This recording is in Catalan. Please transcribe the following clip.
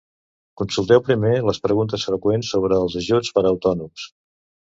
Consulteu primer les preguntes freqüents sobre els ajuts per a autònoms.